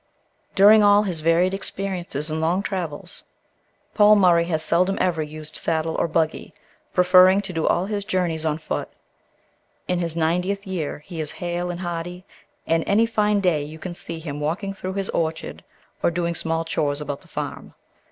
During all his varied experiences and long travels, Paul Murray has seldom ever used saddle or buggy, preferring to do all his journeys on foot. In his ninetieth year he is hale and hearty, and any fine day you can see him walking through his orchard or doing small chores about the farm.